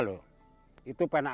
dan dikonsumsi oleh rakyat